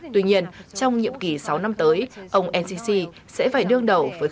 tuy nhiên trong nhiệm kỳ sáu năm tới ông ncc sẽ phải đương đầu với khó khăn